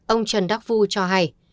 ông trần đắc phu cho hay